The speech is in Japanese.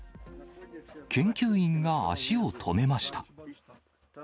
研究員が足を止めました。